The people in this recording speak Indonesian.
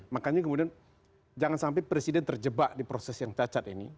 makanya kemudian jangan sampai presiden terjebak di proses yang cacat ini